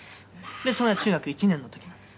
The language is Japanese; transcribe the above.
それが中学１年の時なんですよ」